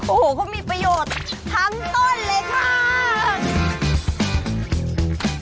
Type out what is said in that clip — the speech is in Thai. โอ้โหเขามีประโยชน์ทั้งต้นเลยค่ะ